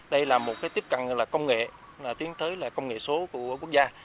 đây là một cái tiếp cận là công nghệ là tiến tới là công nghệ số của quốc gia